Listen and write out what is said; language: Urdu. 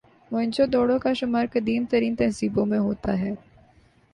موئن جو دڑو کا شمار قدیم ترین تہذیبوں میں ہوتا ہے